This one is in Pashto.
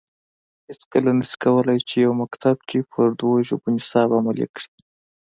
هیڅکله نه شي کولای چې یو مکتب کې په دوه ژبو نصاب عملي کړي